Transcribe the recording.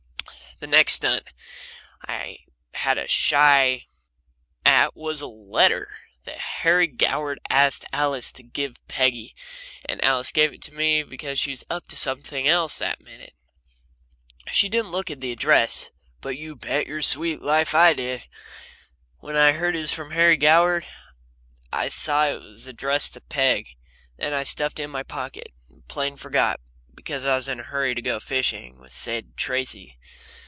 The next stunt I had a shy at was a letter that Harry Goward asked Alice to give Peggy, and Alice gave it to me because she was up to something else just that minute. She didn't look at the address, but you bet your sweet life I did, when I heard it was from Harry Goward. I saw it was addressed to Peg. Then I stuffed it in my pocket and plain forgot, because I was in a hurry to go fishing with Sid Tracy.